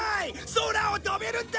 空を飛べるんだ！